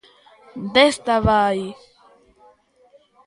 Desta vai!